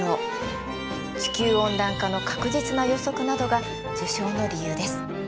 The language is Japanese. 地球温暖化の確実な予測などが受賞の理由です。